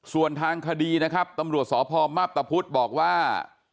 ส่วนทางคดีนะครับตำรวจสพมับตะพุทธบอกว่า